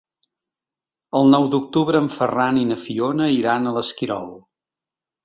El nou d'octubre en Ferran i na Fiona iran a l'Esquirol.